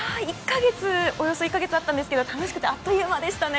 およそ１か月ありましたけど楽しくてあっという間でしたね。